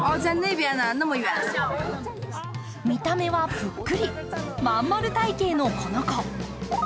見た目はぷっくり、真ん丸体形のこの子。